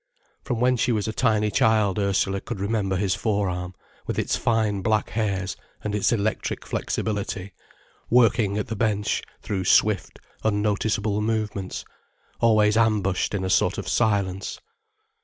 From when she was a tiny child Ursula could remember his forearm, with its fine black hairs and its electric flexibility, working at the bench through swift, unnoticeable movements, always ambushed in a sort of silence.